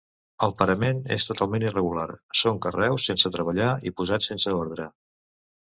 El parament és totalment irregular, són carreus sense treballar i posats sense ordre.